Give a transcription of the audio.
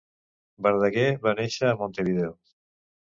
Verdaguer va néixer a Montevideo.